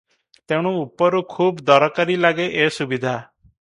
ତେଣୁ ଉପରୁ ଖୁବ ଦରକାରୀ ଲାଗେ ଏ ସୁବିଧା ।